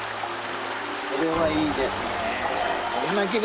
これはいいですね。